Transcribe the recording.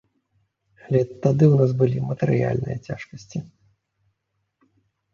Але тады ў нас былі матэрыяльныя цяжкасці.